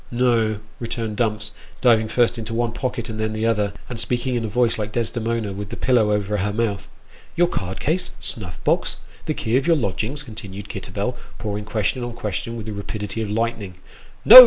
" No" returned Dumps, diving first into one pocket and then into the other, and speaking in a voice like Desdemona with the pillow over her mouth. " Your card case ? snuff box ? the key of your lodgings ?" continued Kitterbell, pouring question on question with the rapidity of lightning. " No